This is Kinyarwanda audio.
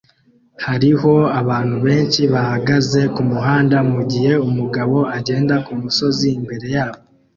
Hariho abantu benshi bahagaze kumuhanda mugihe umugabo agenda kumusozi imbere yabo